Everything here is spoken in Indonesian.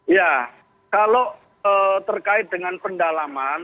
ya kalau terkait dengan pendalaman